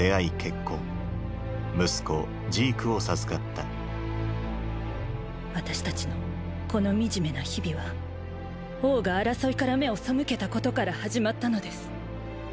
息子ジークを授かった私たちのこの惨めな日々は王が争いから目を背けたことから始まったのです。